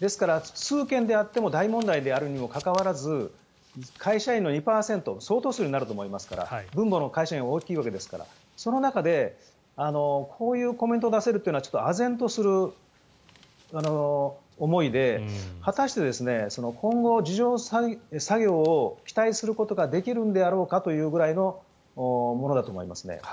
ですから、数件であっても大問題であるにもかかわらず会社員の２％相当数になると思いますから分母の会社員が大きいわけですからその中で、こういうコメントを出せるというのはちょっとあぜんとする思いで果たして今後、自浄作用を期待することができるんであろうかというぐらいのものだと思いますね。